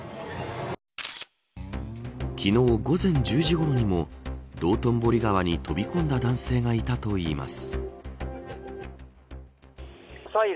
昨日午前１０時ごろにも道頓堀川に飛び込んだ男性がいたといいます。